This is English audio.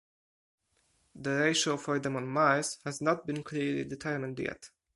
The ratio for them on Mars has not been clearly determined yet.